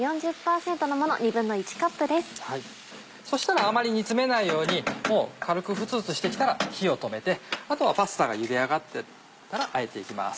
そしたらあまり煮詰めないようにもう軽くフツフツして来たら火を止めてあとはパスタがゆで上がったらあえて行きます。